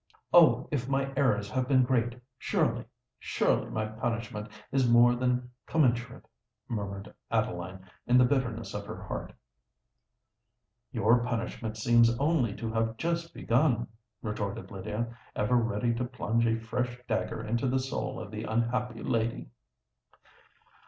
"Oh! if my errors have been great, surely—surely my punishment is more than commensurate!" murmured Adeline, in the bitterness of her heart. "Your punishment seems only to have just begun," retorted Lydia, ever ready to plunge a fresh dagger into the soul of the unhappy lady.